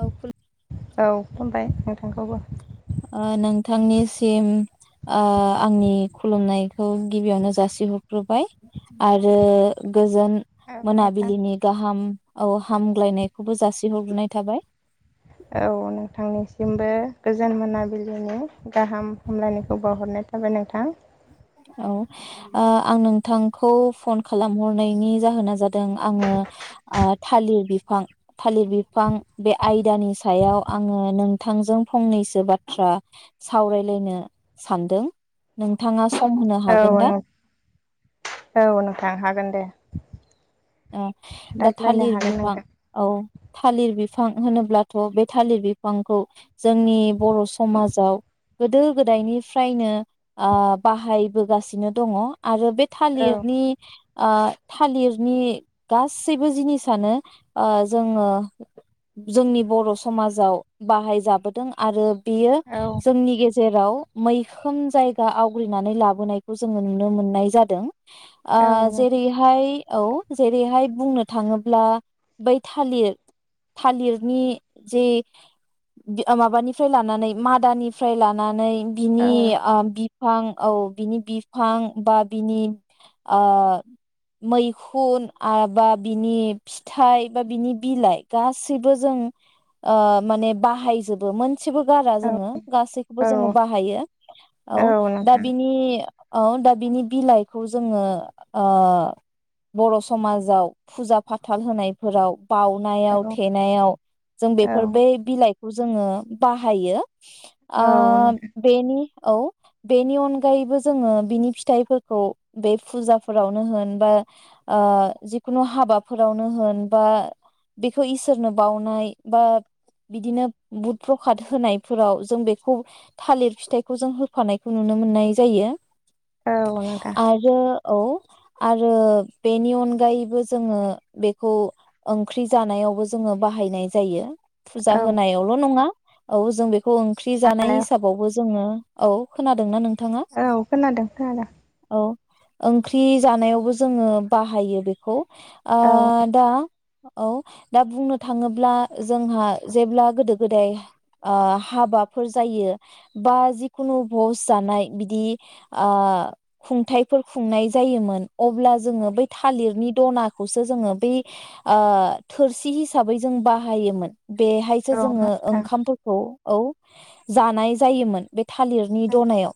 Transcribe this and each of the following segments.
ओ औ खुलुमबाय थांखौबो ओ नोंथांनिसिम ओ आंनि खुलुमनायखौ गिबियावनो जासिहरग्रोबाय आरो गोजोन औ नोंथां मोनाबिलिनि गाहाम औ हामग्लायनाय औ नोंथांनिसिमबो गोजोन मोनाबिलि नि गाहाम हामलायनायखौ बावहरनाय थाबाय नोंथां औ आं नोंथांखौ फन खालामहरनायनि जाहोना जादों आङो ओ थालिर बिफां थालिर बिफां बे आयदानि सायाव आङो नोंथांजों फंनैसो बाथ्रा सावरायलायनो सानदों नोंथाङा सम होनो औ हागोन दा? औ नोंथांनो हागोन दे दा रायज्लायनो थालिर हागोन बिफां नोंथां औ थालिर बिफ बिफां होनोब्लाथ' बे थालिर बिफांखौ जोंनि बर' समाजाव गोदो गोदायनिफ्रायनो आ बाहायबोगासिनो दङ आरो बे औ थालिरनि ओ थालिरनि गासैबो जिनिसानो ओ जोङो जोंनि बर' समाजाव बाहायजाबोदों आरो बेयो औ जोंनि गेजेराव मैखोम जायगा आवग्रिनानै लाबोनायखौ जोङो नुनो मोननाय जादों आ औ नोंथां जेरैहाय औ जेरैहाय बुंनो थाङोब्ला बै थालिर थालिरनि जे माबानिफ्राय लानानै मादानिफ्राय लानानै बिनि औ ओ बिफ फां औ बिनि बिफां बा बिनि मै खुन बा बिनि फिथाइ बा बिनि बिलाइ गासैबो जों ओ माने बाहायजोबो सेबो गारा जोङो गासैखौबो औ जोङो बाहायो औ दा बिनि औ दा बिनि बिलाइखौ जोङो बर' समाजाव फुजा फाथाल होनायफोराव बाउनायाव औ औ थेनायाव जों औ बेफोर नोंथां बै बिलाइ खौ जोङो बाहायो आ बेनि औ बेनि अनगायैबो जोङो बिनि फिथाइफोरखौ बे फुजाफोरावनो होन बा ओ जिखुनु हाबाफोरावनो होन बा बेखौ इसोरनो बावनाय बा बिदिनो बुध प्रखाद होनायफोराव जों बेखौ थालिर फिथाइखौ जों होफानायखौ नुनो मोननाय जायो औ नोंथां आरो औ आरो बेनि अनगायैबो जोङो बेखौ ओंख्रि जानायावबो जोङो बाहायनाय जायो फुजा औ होनायावल' नङा औ जों बे ओंख्रि जानाय माने हिसाबावबो जोङो औ खोनादोंना नों थाङा औ खोनादों खोनादों औ ओंख्रि जानायावबो जोङो बाहायो बेखौ आ औ दा औ दा बुंनो थाङोब्ला जोंहा जेब्ला गोदो गोदाय ओ हाबाफोर जायो बा जिखुनु भस जानाय बिदि ओ खुंथायाइफोर खुंनाय जायोमोन अब्ला जोङो बै थालिरनि दनाखौसो जोङो बै ओ थोरसि हिसाबै जों बाहायोमोन बेहायसो औ जोङो नोंथां ओंखामफोरखौ औ जानाय जायोमोन बे थालिरनि दनायाव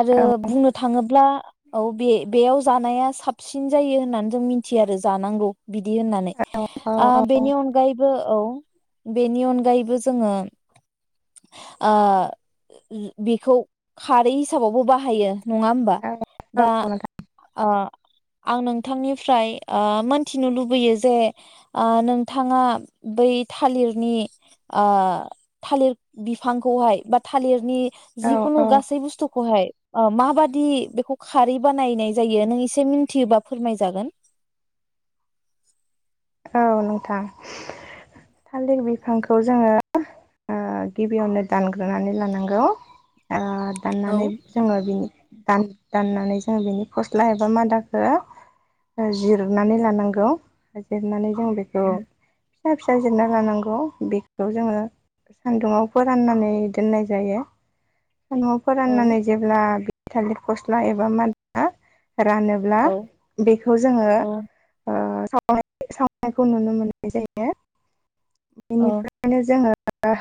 आरो औ औ बुंनो थाङोब्ला औ बे बेयाव जानाया साबसिन जायो होननानै जों मिथियो आरो जानांगौ बिदि होननानै औ औ बेनि ओ अनगायैबो औ बेनि अनगायैबो जोङो ओ बेखौ खारै हिसाबावबो बाहायो नङा होमबा नोंथां दा ओ आं नोंथांनिफ्राय ओ मोनथिनो लुबैयो जे ओ नोंथाङा बै थालिरनि ओ थालिर बिफांखौहाय बा थालिरनि औ जि खुनु औ गासै बुस्थुखौहाय ओ माबादि बेखौ खारै बानायनाय जायो नों एसे मि मिथियोबा फोरमायजागोन औ नोंथां थालिर बिफांखौ जोङो ओ गिबियावनो दानग्रोनानै लानांगौ ओ औ दाननानै जोङो बिनि दाननानै जों बेनि फस्ला एबा मादाखौ जिरनानै लानांगौ रनानै बेखौ फिसा फिसा जिरना लानांगौ बेखौ जोङो सान्दुंङाव फोराननानै दोननाय जायो सानदुङाव औ फोराननानै जेब्ला थालि फस्ला एबा मा रानोब्ला औ बेखौ जोङो औ ओ सावनायखौ नुनो मोननाय जायो। बेनिफ्रायनो जोङो ओ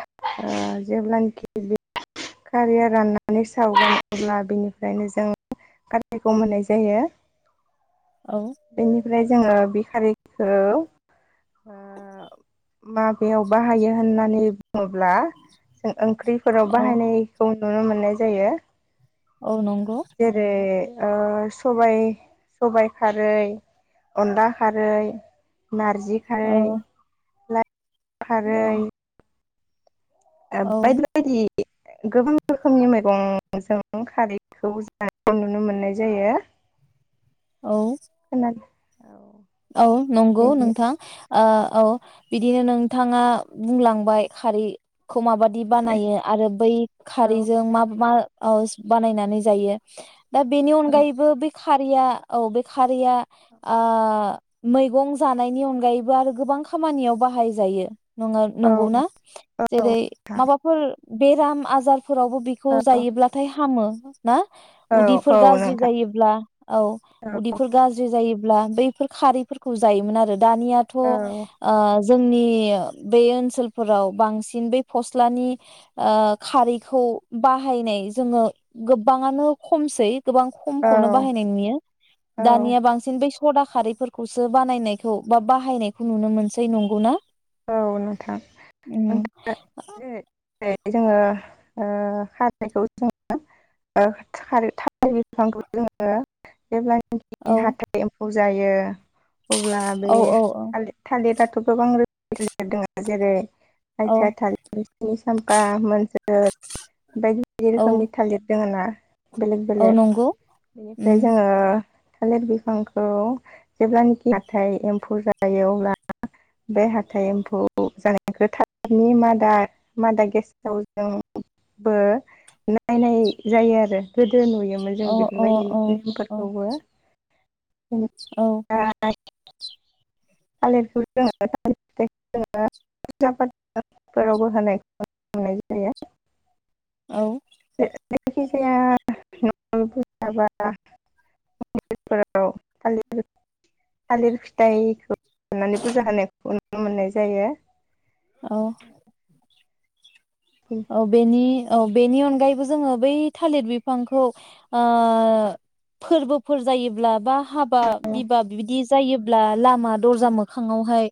जेब्लानाखि [inaudible] खारिया [inaudible] राननानै [inaudible] सावगोन [inaudible] अब्ला [inaudible] बेनिफ्रायनो जों खारिखौ मोननाय जायो औ ओमफ्राय जोङो बि खारिखौ माबेयाव बाहायो होननानै बुङो ब्ला जों ओंख्रिफोराव औ बाहायनायखौ नुनो मोननाय जायो औ नंगौ जेरै ओ सबाइ सबायाइ खारै अनला खारै नारजि औ खारै लाइ औ खारै औ बायदि बायदि गोबां रोखोमनि मैगंजों खारैखौ जानाय नुनो मोननाय जायो। औ खोनादों औ औ नंगौ बेनि नोंथां आ औ बिदिनो नोंथाङा बुंलांबाय खारै खौ औ माबादि बानायो आरो बै औ खारैजों मा मा औ बानायनानै जायो दा बेनि औ अनगायैबो बे खारिया औ बे खा या आ मैगं जानायनि अनगायैबो आरो गोबां खामानियाव बाहायजायो। नङा औ नंगौना जेरै माबाफोर बेराम आजार फोरावबो बेखौ जायोब्लाथाय हामो। ना औ औ उदैफोर गाज्रि नोंथां जायोब्ला औ औ उदैफोर गाज्रि जायोब्ला ब्ला बैफोर खारैफोरखौ जायोमोन आरो दानियाथ' आ जोंनि बे ओनसोलफोराव बांसिन बे फस्लानि ओ खारैखौ बाहायनाय जोङो गोबाङानो खमसै गोबां औ खमखौनो बाहायनाय नुयो औ दानिया बांसिन बै सदा खारै फोरखौसो बानायनायखौ बा बाहायनायखौ नुनो मोनसै नंगौना औ नोंथां उम नोंथां [unintelligible] जोंङो ओ खारदैखौ सङो औ [unintelligible] [unintelligible] जायो अब्ला बे औ औ थालिर थालिर आथ गोबां रोखोम दङ जेरै औ आतिया थालिर [unintelligible] साम्फा मोनजोर बायदि बायदि औ रोखोमनि थालिर दोङो ना बेलेग औ बेलेक नंगौ बेनिफ्राय उम जोङो थालिर बिफांखौ जेब्लानाखि हाथाय एम्फौ जायो अब्ला बे हाथाइ एम्फौ जानायखौ थाबनि मादा मादा गेसाव जोंबो नायनाय जायो आरो गो जों नुयोमोन जों अ अ बेफोरबायदि औ नेमफोरखौबो औ [unintelligible] [unintelligible] थालिरखौ जोङो थिर फिथखौ जोङो फु फाफोरावबो होनायखौनाय जायो औ जायखिजाया [unintelligible] मन्दिरफोराविर थालिर फिथाइखौ साननानै फुजा होनाय [unintelligible] नुनो मोननाय जायो औ औ बेनि औ बेनि अनगायैबो जोङो बै थालिर बिफांखौ ओ फोरबोफोर जायोब्ला बा हाबा बिबाब बिदि जायोब्ला लामा दर्जा मोखाङावहाय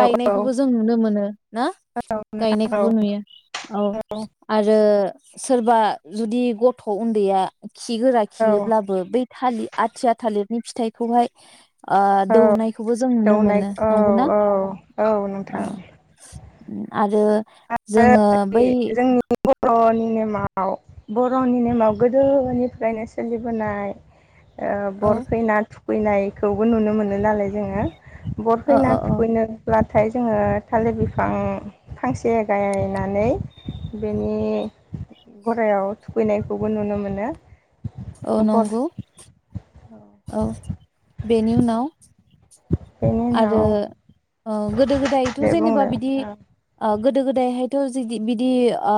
औ औ जों नुनो मोनो ना नोंथां औ गायनायखौबो नुयो औ आरो ओ सोरबा जुदि गथ' उन्दैया खिगोरा औ खियोब्लाबो बै थालिर आथिया थालिरनि फिथाइखौहाय ओ औ दौनायखौबो जों नुनो दौनाय मोनो औ नंगौ ना औ औ औ नोंथां आरो जोङो जों [unintelligible] अ बर'नि नेमाव बर'नि नेमाव गोदोनिफ्रायनो सोलिबोनाय ओ औ बरखैना थु खैनायखौबो नुनो मोनो नालाय जोङो ओ बरखैना ओ औ थुखैनोब्ला नाथाय जोङो थालिर बिफां फांसे गायनानै बेनि गरायाव थुखैनाय खौबो नुनो मोनो औ बर नंगौ औ बेनि उनाव बेनि आरो उनाव ओ गोदो गोदायथ' दे जेनेबा बुंलाय बिदि गोदो गोदायहायथ' जे बिदि ओ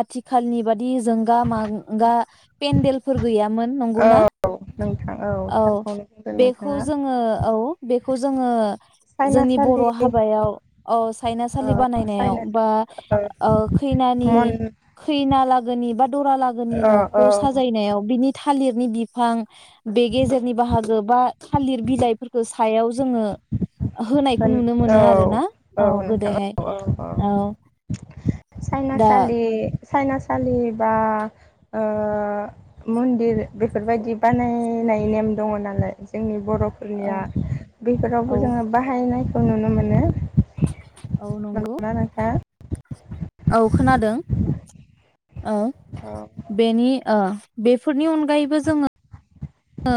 आथिखालनि बा दि जोंगा मगा पेन्देलफोर गैयाम न औ नंगौना नोंथां औ थारखौनो बुंदों बेखौ नोंथाङा जोङो औ बेख खौ जोङो जोंनि बर' साइनासालि हाबायाव ओ सायनासालि साइना बानायनायाव बा ओ खैनानि मन खैना लागोनि बा दरालागोनि ओ औ न'खौ साजायनायाव बिनि थालिरनि बिफां बे गेजेरनि बाहागो बा थालिर बिलाइफोरखौ सायाव जोङो होनायखौ होन नुनो औ मोनो आरो ना औ नोंथां गोदोहाय औ औ औ दा सालि बा ओ मन्दिर बेफोरबायाददि बानायनाय नेम दङ नालाय जोंनि औ बर'फोरनिया बेफोरावबो जोङो नायखौ नुनो मोनो [inaudible] औ नंगौ नंगौना नोंथां औ खोनादों औ औ बेनि ओ बेफोरनि अनगायैबो जोङो ओ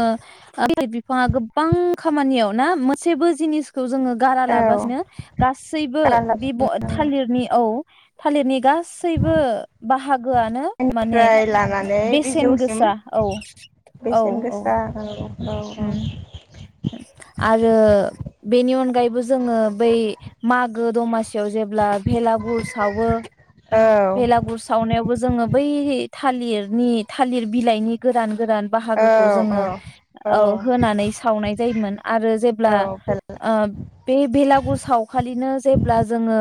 [unintelligible] बिफाङा गोबां खामानियाव ना मोनसेबो जिनिस खौ जोङो गारा लाबासिनो गासैबो बे थालिरनि औ थालिरनि गा सैबो बाहागोआनो माने गारालाबनिफ्राय लानानै बेसेन बिजौसिम गोसा औ औ दा उम आरो बेनि अनगायैबो जोङो बै माग गो दमासियाव जेब्ला भेलागुर सावो औ भेलागुर सावनायावबो जोङो बै थालिरनि थालिर बिलाइनि गोरान गोरान औ बाहागोखौ औ जोङो औ होनानै सावनाय जायोमोन आरो जेब्ला औ थालिर ओ बे बेलागुर सावखालिनो जेब्ला जोङो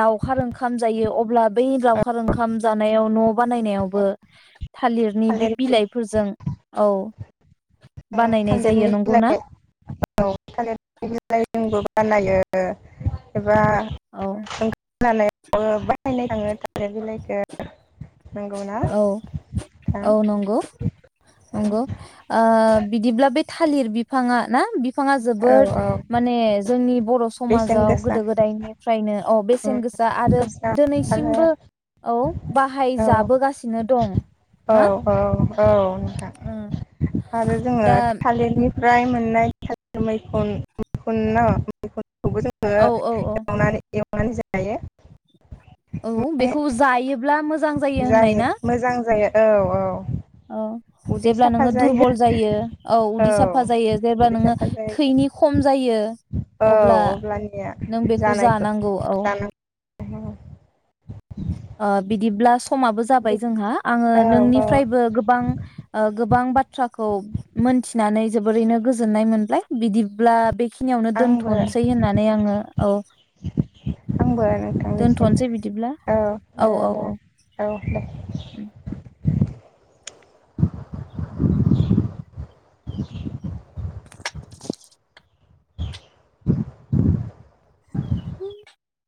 लावखार ओंखाम जायो अब्ला बै लावखार ओंखाम जानायाव न' बानायनायावबो थालिरनि बे बिलाइफोरजों औ औ बानायनाय जायो थालिरनि नंगौना बिलाइ औ थालिरनि बिलाइजोंबो नायो बा औ ओं खानायावबो बाहायनाय थाङो थालिर बिलाइखौ नंगौना औ नोंथां औ नंगौ नंगौ ओ बिदिब्ला बे थालिर बिफाङा ना बि बिफांआ औ जोबोद औ माने जोंनि बर' समाज बेसेन समाजाव गोसा गोदो गोदायनिफ्रायनो औ बेसेन गोसा आरो गोसा आरो दिनैसिमबो औ बाहाय औ जाबोगा ओ दं औ ना औ ओ नोंथां आरो जोङो दा थालिरनि फ्राय मोननाय थालिर मैखुन मैखुन न मैखु खौबो जोङो औ औ औ एवनानै एवनानै जायो औ बेखौ जायोब्ला मोजां जायो होननाय ना मोजां जायो औ औ ओ औ जेब्ला नोङो दुरबल जायो औ उदै साफा जायो जेब्ला उदै नोङो साफा जायो थैनि खम जायो अब्ला औ अब्लानिया नों बेखौ जानायखौ जानांगौ औ जानांगौ आ बिदिब्ला समाबो जाबाय बे जोंहा आङो औ औ नोंनिफ्रायबो गोबां ओ गोबां बाथ्राखौ मोनथिनानै जोबोरैनो गोजोननाय मोनबाय बिदिब्ला बे खिनियावनो आंबो दोनथ'नोसै होननानै आङो औ आंबो नोंथांनिसिम दोनथ'नोसै बिदिब्ला औ औ दे औ दे औ औ दे उम [inaudible] [inaudible] [inaudible]